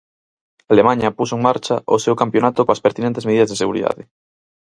Alemaña puxo en marcha o seu campionato coas pertinentes medidas de seguridade.